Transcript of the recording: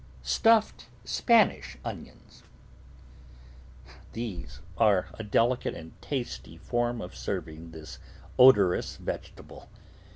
STUFFED SPANISH ONIONS These are a delicate and tasty form of serving this odourous vegetable.